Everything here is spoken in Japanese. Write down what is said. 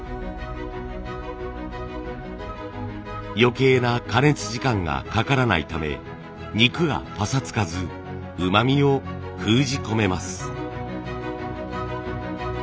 余計な加熱時間がかからないため肉がぱさつかずうまみを封じ込めます。